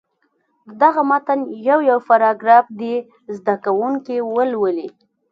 د دغه متن یو یو پاراګراف دې زده کوونکي ولولي.